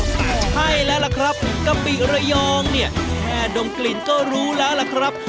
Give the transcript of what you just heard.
ใช่แล้วล่ะครับกะปิระยองเนี่ยแค่ดมกลิ่นก็รู้แล้วล่ะครับ